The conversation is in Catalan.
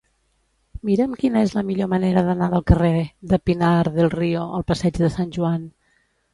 Mira'm quina és la millor manera d'anar del carrer de Pinar del Río al passeig de Sant Joan.